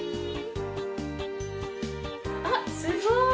あっすごい！